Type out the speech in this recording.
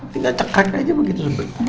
tinggal cekrak aja begitu